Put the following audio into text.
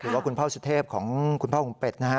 หรือว่าคุณพ่อสุทธิพย์ของคุณพ่ออุงเป็ดนะฮะ